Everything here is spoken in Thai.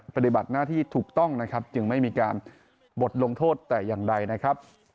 ปฏิบัติหน้าที่ถูกต้องนะครับจึงไม่มีการบทลงโทษแต่อย่างใดนะครับ